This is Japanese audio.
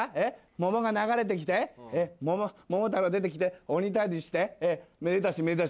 桃が流れて来て桃太郎出て来て鬼退治してめでたしめでたし。